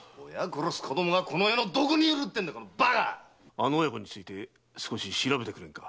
あの親子について少し調べてくれんか？